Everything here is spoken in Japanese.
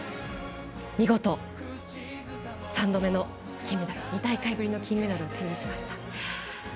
見事、３度目２大会ぶりの金メダルを手にしました。